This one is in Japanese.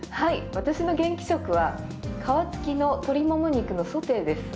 私の元気食は皮付きの鶏もも肉のソテーです。